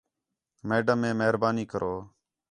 میڈم ہے مہربانی کرو